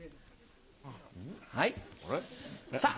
はいさぁ。